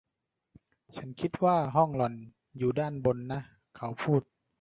“ฉันคิดว่าห้องหล่อนอยู่ด้านบนนะ” เขาพูด